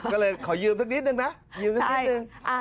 ก็เลยขอยืมสักนิดนึงนะ